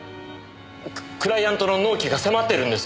クライアントの納期が迫ってるんです。